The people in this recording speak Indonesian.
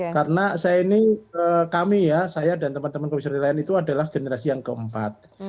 karena saya ini kami ya saya dan teman teman komisioner lain itu adalah generasi yang keempat